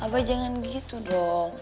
abah jangan gitu dong